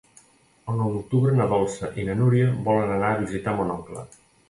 El nou d'octubre na Dolça i na Núria volen anar a visitar mon oncle.